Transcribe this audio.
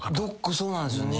そうなんですよね。